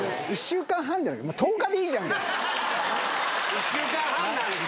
１週間半なんです！